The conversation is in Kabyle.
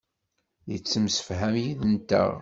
Yettemsefham yid-nteɣ.